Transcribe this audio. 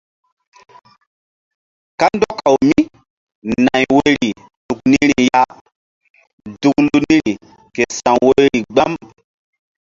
Kandɔkawmínay woyri ɗuk niri ya duklu niri ke sa̧w woyri gbam.